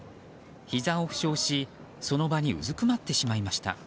ひざを負傷し、その場にうずくまってしまいました。